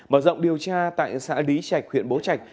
mở rộng điều tra tại xã lý trạch huyện bố trạch